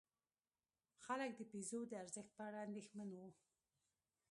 خلک د پیزو د ارزښت په اړه اندېښمن وو.